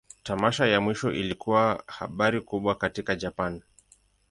Tamasha ya mwisho ilikuwa habari kubwa katika Japan.